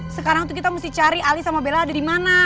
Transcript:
sekarang tuh kita mesti cari ali sama bella ada di mana